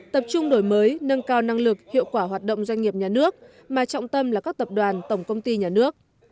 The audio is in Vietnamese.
tập trung đổi mới nâng cao năng lực hiệu quả hoạt động doanh nghiệp nhà nước mà trọng tâm là các tập đoàn tổng công ty nhà nước